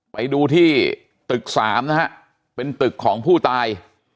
ไปดูที่ตึก๓นะฮะเป็นตึกของผู้ตาย